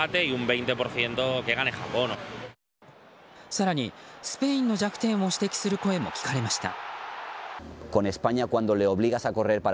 更にスペインの弱点を指摘する声も聞かれました。